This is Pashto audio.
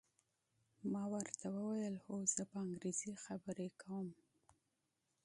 ما ورته وویل: هو، زه په انګریزي خبرې کوم.